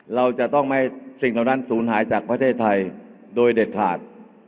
เราจะต้องไม่สิ่งเหล่านั้นศูนย์หายจากประเทศไทยโดยเด็ดขาด